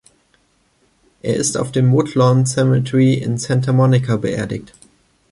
Er ist auf dem Woodlawn Cemetery in Santa Monica beerdigt.